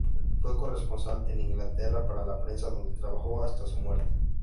Fue corresponsal en Inglaterra para La Prensa, donde trabajó hasta su muerte.